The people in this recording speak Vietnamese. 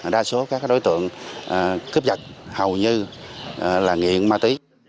đa số các đối tượng cướp dật hầu như là nguyễn ma tý